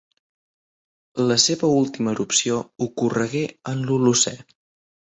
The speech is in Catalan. La seva última erupció ocorregué en l'Holocè.